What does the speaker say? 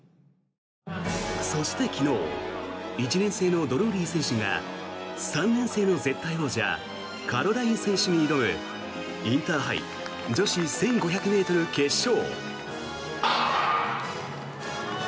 そして昨日１年生のドルーリー選手が３年生の絶対王者カロライン選手に挑むインターハイ女子１５００ｍ決勝。